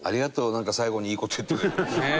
なんか最後にいい事言ってくれて。